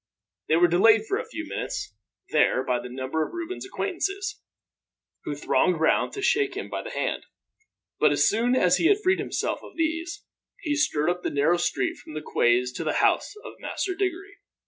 They were delayed for a few minutes there by the number of Reuben's acquaintances, who thronged round to shake him by the hand; but as soon as he had freed himself of these, he strode up the narrow street from the quays to the house of Master Diggory.